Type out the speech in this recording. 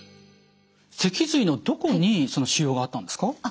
脊髄のどこに腫瘍があったんですか？